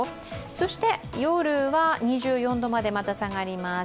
そして夜は２４度までまた下がります。